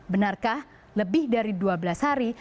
benarkah lebih dari dua belas hari